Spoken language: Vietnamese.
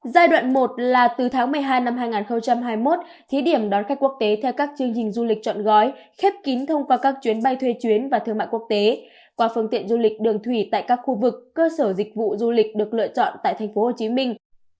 giai đoạn một là từ tháng một mươi hai năm hai nghìn hai mươi một thí điểm đón khách quốc tế theo các chương trình du lịch chọn gói khép kín thông qua các chuyến bay thuê chuyến và thương mại quốc tế qua phương tiện du lịch đường thủy tại các khu vực cơ sở dịch vụ du lịch được lựa chọn tại thành phố hồ chí minh